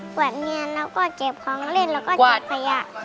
วดเนียนแล้วก็เก็บของเล่นแล้วก็เก็บขยะ